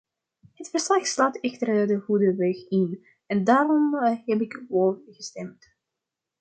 Het verslag slaat echter de goede weg in, en daarom heb ik vóór gestemd.